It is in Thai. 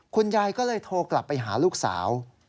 คุณยายก็เลยโทรกลับไปหาลูกสาว